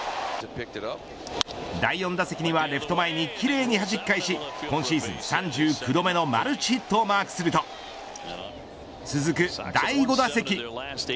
第４打席にはレフト前にきれいにはじき返し今シーズン３９度目のマルチヒットをマークすると続く第５打席。